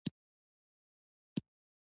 د پښتورګو د کمزوری لپاره د څه شي اوبه وڅښم؟